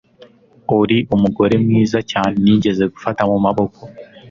uri umugore mwiza cyane nigeze gufata mu maboko